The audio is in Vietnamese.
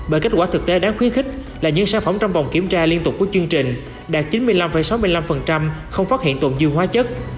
bởi kết quả thực tế đáng khuyến khích là những sản phẩm trong vòng kiểm tra liên tục của chương trình đạt chín mươi năm sáu mươi năm không phát hiện tồn dư hóa chất